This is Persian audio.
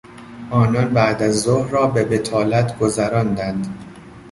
آنان بعدازظهر را به بطالت گذراندند.